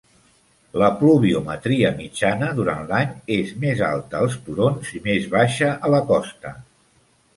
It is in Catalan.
La pluviometria mitjana durant l'any és més alta als turons i més baixa a la costa.